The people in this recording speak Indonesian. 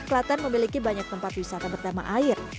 klaten memiliki banyak tempat wisata bertema air